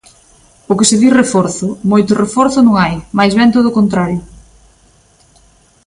O que se di, reforzo, moito reforzo non hai, máis ben todo o contrario.